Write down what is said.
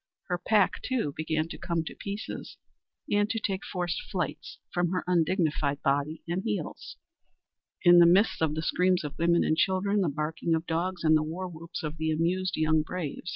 Her pack, too, began to come to pieces and to take forced flights from her undignified body and heels, in the midst of the screams of women and children, the barking of dogs, and the war whoops of the amused young braves.